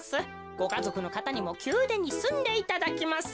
ごかぞくのかたにもきゅうでんにすんでいただきます。